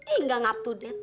eh gak ngap dua dat